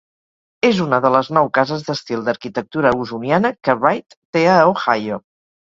És una de les nou cases d'estil d'arquitectura usoniana que Wright té a Ohio.